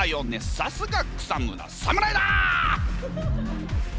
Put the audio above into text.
さすが草村侍だ！